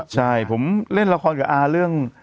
ใช่ผมเล่นละครเกี่ยวอ้าเรื่อง